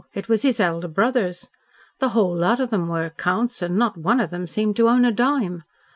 It was his elder brother's. The whole lot of them were counts and not one of them seemed to own a dime.